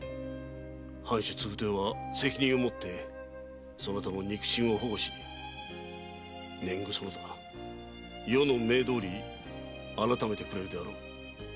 藩主・継豊は責任を持ってそなたの肉親を保護し年貢そのほか余の命どおり改めてくれるであろう。